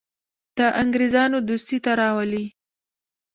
د انګرېزانو دوستي ته راولي.